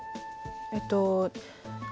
えっと。